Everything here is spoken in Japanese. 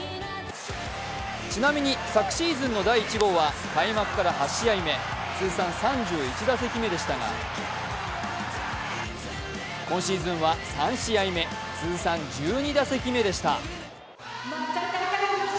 ちなみに昨シーズンの第１号は開幕から８試合目、通算３１打席目でしたが、今シーズンは３試合目通算１２打席目でした。